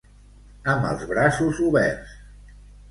Amb els braços oberts.